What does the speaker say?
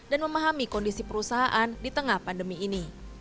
dan memahami kondisi perusahaan di tengah pandemi ini